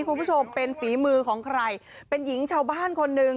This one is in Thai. คุณผู้ชมเป็นฝีมือของใครเป็นหญิงชาวบ้านคนหนึ่ง